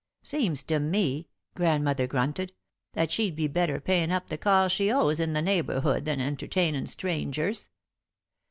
"Seems to me," Grandmother grunted, "that she'd better be payin' up the calls she owes in the neighbourhood than entertainin' strangers."